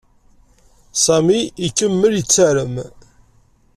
Sami ikemmel yettarem.